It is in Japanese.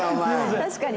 確かに。